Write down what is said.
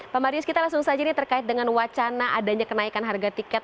pak marius kita langsung saja ini terkait dengan wacana adanya kenaikan harga tiket